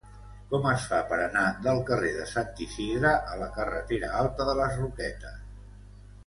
Com es fa per anar del carrer de Sant Isidre a la carretera Alta de les Roquetes?